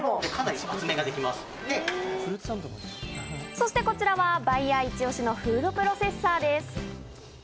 そして、こちらはバイヤ一いち押しのフードプロセッサーです。